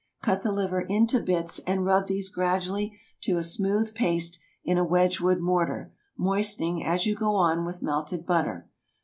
Cut the liver into bits, and rub these gradually to a smooth paste in a Wedgewood mortar, moistening, as you go on, with melted butter.